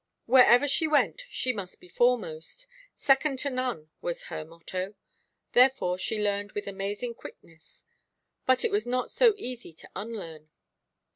Wherever she went, she must be foremost; "second to none" was her motto. Therefore she learned with amazing quickness; but it was not so easy to unlearn.